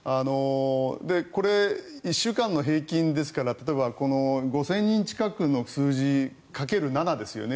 これ、１週間の平均ですから５０００人近くの数字掛ける７ですよね。